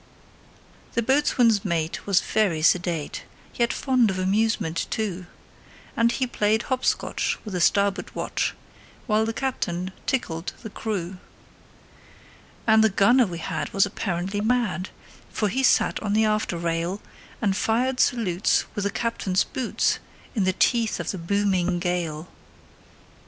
The boatswain's mate was very sedate, Yet fond of amusement, too; And he played hop scotch with the starboard watch, While the captain tickled the crew. And the gunner we had was apparently mad, For he sat on the after rail, And fired salutes with the captain's boots, In the teeth of the booming gale.